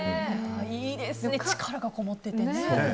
いいですね、力がこもっていて。